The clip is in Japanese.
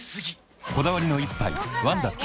こだわりの一杯「ワンダ極」